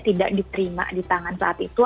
tidak diterima di tangan saat itu